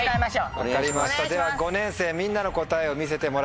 分かりましたでは５年生みんなの答えを見せてもらいましょう。